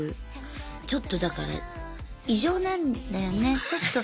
ちょっとだから異常なんだよねちょっと。